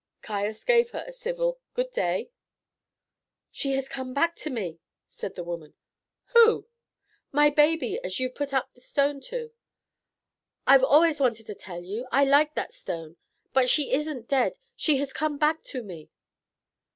Caius gave her a civil "Good day." "She has come back to me!" said the woman. "Who?" "My baby as you've put up the stone to. I've allers wanted to tell you I liked that stone; but she isn't dead she has come back to me!"